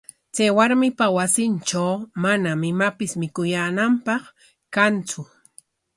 Chay warmipa wasintraw manam imapis mikuyaananpaq kantsu.